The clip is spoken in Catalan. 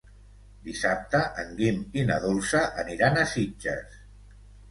Dissabte en Guim i na Dolça aniran a Sitges.